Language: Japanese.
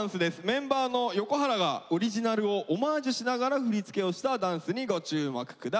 メンバーの横原がオリジナルをオマージュしながら振り付けをしたダンスにご注目下さい。